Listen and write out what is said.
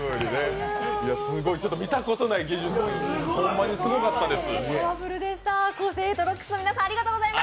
すごい見たことない技術ホンマにすごかったです。